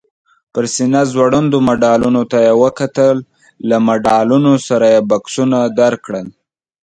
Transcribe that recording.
پر سینه ځوړندو مډالونو ته یې وکتل، له مډالونو سره یې بکسونه درکړل؟